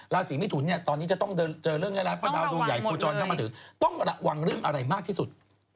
ราศีมีถุนเนี่ยตอนนี้จะต้องเจอเรื่องอะไรต้องระวังเรื่องอะไรมากที่สุด